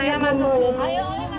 saya masuk rumah